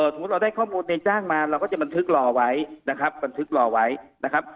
สมมุติเราได้ข้อมูลในจ้างมาเราก็จะบันทึกรอไว้นะครับบันทึกรอไว้นะครับ